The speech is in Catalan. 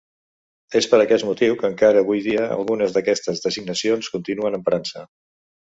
És per aquest motiu que encara avui dia algunes d'aquestes designacions continuen emprant-se.